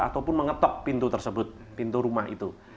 ataupun mengetok pintu tersebut pintu rumah itu